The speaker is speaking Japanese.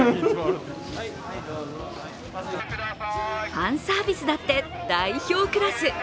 ファンサービスだって代表クラス。